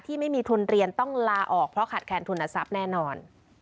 ไม่มีทุนเรียนต้องลาออกเพราะขาดแคนทุนทรัพย์แน่นอน